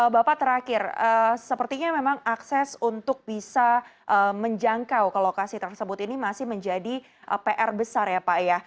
bapak terakhir sepertinya memang akses untuk bisa menjangkau ke lokasi tersebut ini masih menjadi pr besar ya pak ya